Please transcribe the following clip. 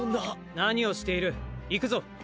何をしている行くぞ！